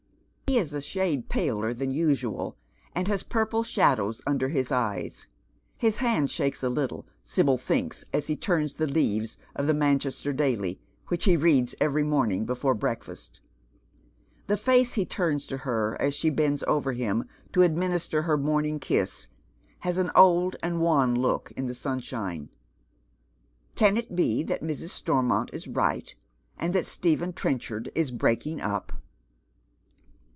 He is a shade paler than usual, and has purple shadows under his eyes. His hand shakes a little, Sibyl thinks, as he turns the leaves of the Manchester daily, which he reads every morning before breakfast. The face he turns to her as she bends over him to administer her morning kiss has an old and wan look in the sunshine. Can it be that Mrs. Stormont is right, and that Stephen Trenchard is breaking up